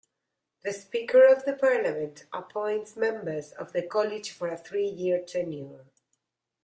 The Speaker of the Parliament appoints members of the College for a three-year tenure.